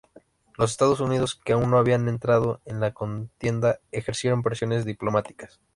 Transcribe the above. Los Estados Unidos, que aún no habían entrado en la contienda, ejercieron presiones diplomáticas.